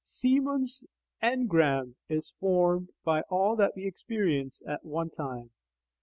Semon's "engram" is formed by all that we experience at one time.